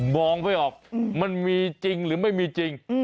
มองไม่ออกมันมีจริงหรือไม่มีจริง